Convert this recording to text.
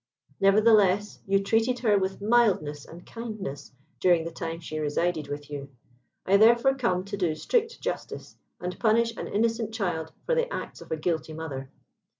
Nevertheless, you treated her with mildness and kindness during the time she resided with you. I therefore come to do strict justice, and punish an innocent child for the acts of a guilty mother.